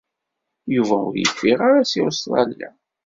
Yuba ur yeffiɣ ara seg Ustṛalya.